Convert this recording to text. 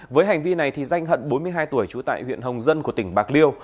với hành vi này danh hận bốn mươi hai tuổi trú tại huyện hồng dân của tỉnh bạc liêu